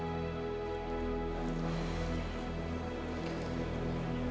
gimana lah ditolak lagi